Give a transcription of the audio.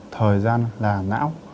thời gian là não